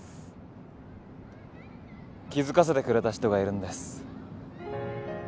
気付かせてくれた人がいるんです。